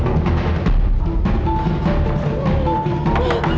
tidak ada siapa siapa di sini